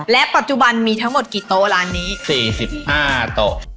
และปัจจุบันมีทั้งหมดกี่โต๊ะร้านนี้๔๕โต๊ะ